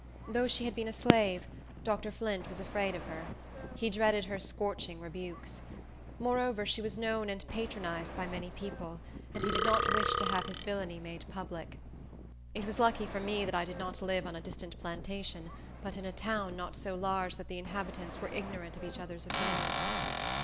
Though she had been a slave, Dr. Flint was afraid of her. He dreaded her scorching rebukes. Moreover, she was known and patronized by many people; and he did not wish to have his villainy made public. It was lucky for me that I did not live on a distant plantation, but in a town not so large that the inhabitants were ignorant of each other's affairs.